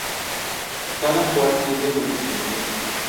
Cada cual tiene lo que se merece